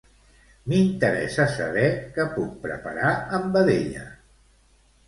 M'interessa saber què puc preparar amb vedella.